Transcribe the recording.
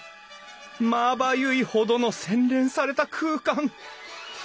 まばゆいほどの洗練された空間。